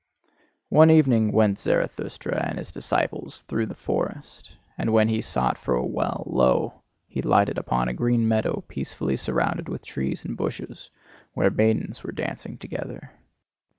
One evening went Zarathustra and his disciples through the forest; and when he sought for a well, lo, he lighted upon a green meadow peacefully surrounded with trees and bushes, where maidens were dancing together.